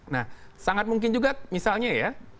nah sangat mungkin juga misalnya ya